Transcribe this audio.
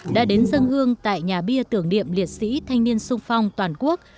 đã đến dân hương tại nhà bia tưởng niệm liệt sĩ thanh niên sung phong toàn quốc